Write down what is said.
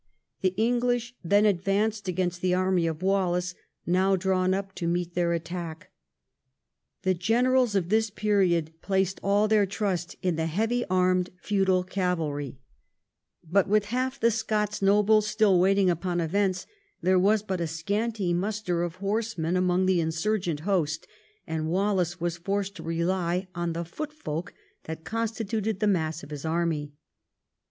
The English then XII THE CONQUEST OF SCOTLAND 207 advanced against the array of Wallace, now drawn up to meet their attack. The generals of this period placed all their trust in the heavy armed feudal cavalry, but with half the Scots nobles still waiting upon events, there was but a scanty muster of horsemen among the insurgent host, and Wallace was forced to rely on the foot folk that consti tuted the mass of his army.